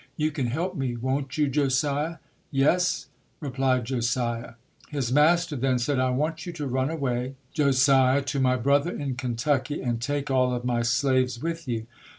You can help me. Won't you, Josiah?" "Yes", replied Josiah. His master then said, "I want you to run away, Josiah, to my brother in Kentucky, and take all of my slaves with you".